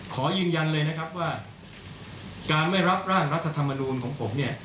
ขอยืนยันเลยนะครับว่าการไม่รับร่างรัฐธรรมนูลของผมเนี่ย